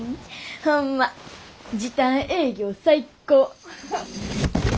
ほんま時短営業最高。